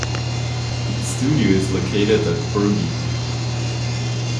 Its studio is located at Brgy.